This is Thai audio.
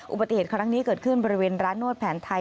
อุบัติเหตุครั้งนี้เกิดขึ้นบริเวณร้านนวดแผนไทย